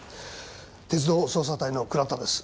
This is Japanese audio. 鉄道捜査隊の倉田です。